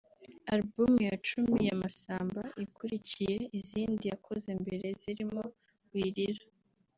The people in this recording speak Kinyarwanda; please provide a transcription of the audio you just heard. Album ya cumi ya Masamba ikurikiye izindi yakoze mbere zirimo ‘Wirira’